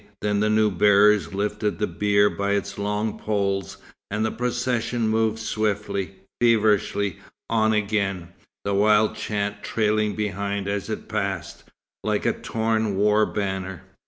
Then the new bearers lifted the bier by its long poles, and the procession moved swiftly, feverishly, on again, the wild chant trailing behind as it passed, like a torn war banner.